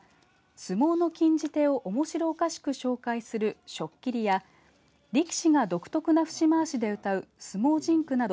相撲の禁じ手をおもしろおかしく紹介する初切や力士が独特な節回しで歌う相撲甚句など